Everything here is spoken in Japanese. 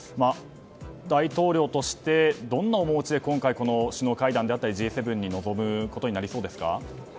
大統領として、どんな面持で今回、首脳会談やＧ７に臨むことになりそうですか。